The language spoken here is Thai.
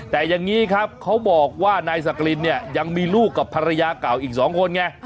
แต่อย่างนี้ครับเขาบอกว่านายสักกรินเนี่ยยังมีลูกกับภรรยาเก่าอีก๒คนไง